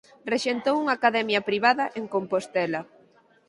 Rexentou unha academia privada en Compostela.